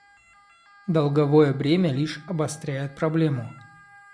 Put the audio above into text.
Долговое бремя лишь обостряет проблему.